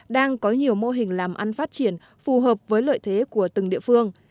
đang có nhiều mô hình làm ăn phát triển phù hợp với lợi thế của từng địa phương